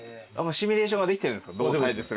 シミュレーションができてるんですか？